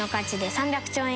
３００兆円！？